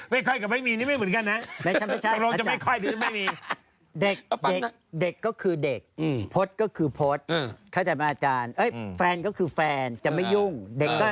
ไม่ค่อยกับไม่มีนี่ไม่เหมือนกันนะ